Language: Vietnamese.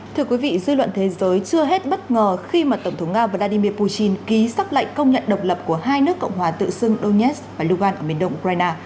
thưa quý vị dư luận thế giới chưa hết bất ngờ khi mà tổng thống nga vladimir putin ký xác lệnh công nhận độc lập của hai nước cộng hòa tự xưng donets và lugan ở miền đông ukraine